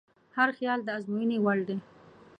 هر خیال د ازموینې وړ دی.